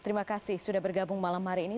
terima kasih sudah bergabung malam hari ini